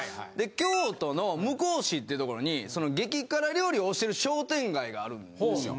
京都の向日市っていう所に激辛料理を推してる商店街があるんですよ。